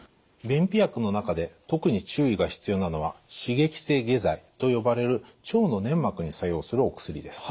便秘薬の中で特に注意が必要なのは刺激性下剤と呼ばれる腸の粘膜に作用するお薬です。